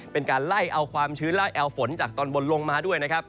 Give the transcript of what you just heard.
เป็นการไล่เอาความชื้นไล่แอลฝนจากตอนบนลงมาด้วยนะครับ